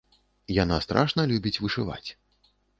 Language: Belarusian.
Яна страшна любіць вышываць.